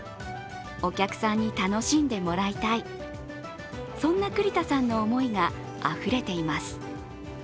お客さんに楽しんでもらいたい、そんな栗田さんの思いがあふれています。